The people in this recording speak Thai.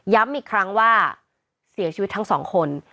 ย้ำอีกครั้งว่าเสียชีวิตทั้ง๒คน